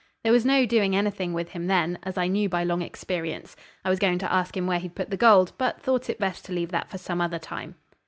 There was no doing anything with him then, as I knew by long experience. I was going to ask him where he'd put the gold, but thought it best to leave that for some other time.